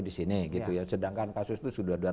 di sini sedangkan kasus itu sudah